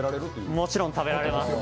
もちろん食べられます。